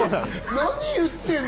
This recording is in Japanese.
何言ってんの？